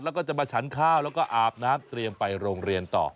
แล้วก็จะมาฉันข้าวแล้วก็อาบน้ำเตรียมไปโรงเรียนต่อ